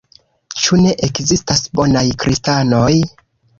Ĉu ne ekzistas bonaj kristanoj?